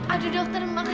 aduh dokter makasih ya